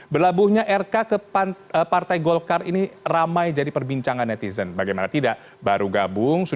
berlabuhnya rk ke partai golkar ini sudah berjalan dengan kemampuan untuk mengembangkan